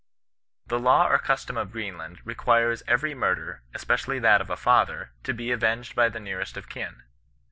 " The law or custom of Greenland requires eveiy mur der, especially that of a father, to be avenged by the nearest of kin.